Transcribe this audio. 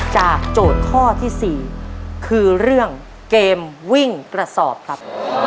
โจทย์ข้อที่๔คือเรื่องเกมวิ่งกระสอบครับ